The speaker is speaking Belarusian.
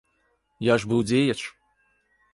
Я ж быў дзеяч!